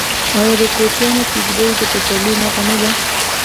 آیا د کوچیانو کډې د پسرلي نښه نه ده؟